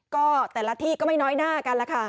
ก็แต่ละที่ก็ไม่น้อยหน้ากันแล้วค่ะ